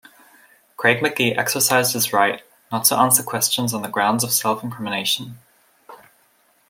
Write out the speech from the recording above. Craig McGee exercised his right not to answer questions on the grounds of self-incrimination.